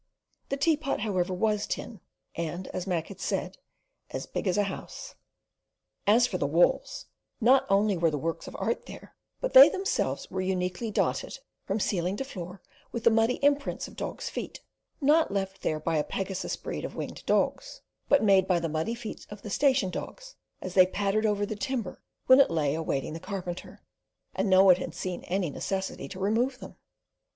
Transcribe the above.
The teapot, however, was tin, and, as Mac said, as "big as a house." As for the walls, not only were the "works of art" there, but they themselves were uniquely dotted from ceiling to floor with the muddy imprints of dogs' feet—not left there by a Pegasus breed of winged dogs, but made by the muddy feet of the station dogs, as they pattered over the timber, when it lay awaiting the carpenter, and no one had seen any necessity to remove them.